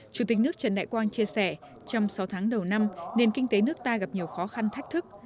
chủ tịch nước trần đại quang chia sẻ trong sáu tháng đầu năm nền kinh tế nước ta gặp nhiều khó khăn thách thức